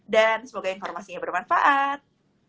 dan semoga informasinya bermanfaat